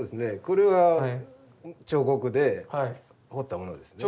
これは彫刻で彫ったものですね。